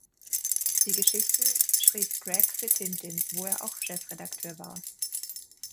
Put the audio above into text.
Die Geschichten schrieb Greg für Tintin, wo er auch Chefredakteur war.